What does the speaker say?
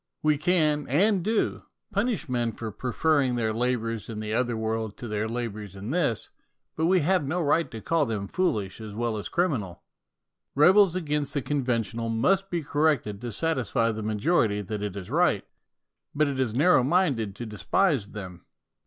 We can, and do, punish men for preferring their labours in the other world to their labours in this ; but we have no right to call them foolish as well as criminal. Rebels against the conventional must be corrected to satisfy the majority that it is right ; but it is narrow minded to despise them.